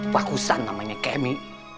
bagusan namanya kemi